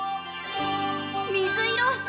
水色！